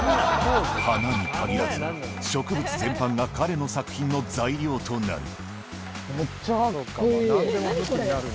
花に限らず、植物全般が彼の作品の材料となる。